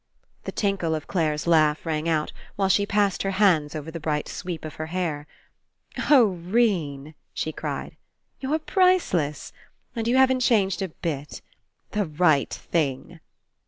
The tinkle of Clare's laugh rang out, while she passed her hands over the bright sweep of her hair. "Oh, 'Rene!" she cried, "you're priceless ! And you haven't changed a bit. The right thing!"